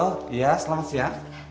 oh iya selamat siang